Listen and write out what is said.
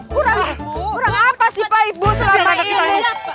kurang apa sih pak ibu selama anak kita ini